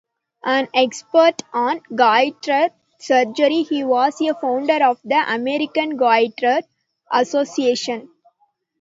An expert on goitre surgery he was a founder of the American Goitre Association.